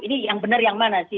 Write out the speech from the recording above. ini yang benar yang mana sih